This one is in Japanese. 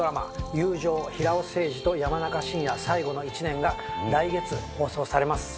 『友情平尾誠二と山中伸弥「最後の一年」』が来月放送されます。